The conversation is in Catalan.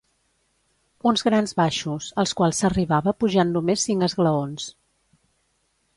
Uns grans baixos, als quals s'arribava pujant només cinc esglaons.